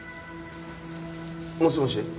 もしもし。